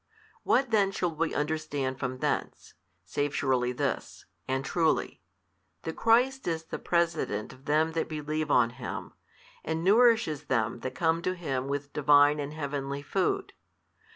What then shall we understand from thence, save surely this, and truly, that Christ is the President of them that believe on Him, and nourishes them that come to Him with Divine and heavenly food?